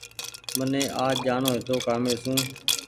مني آج جآڻو هيتو ڪآمي سون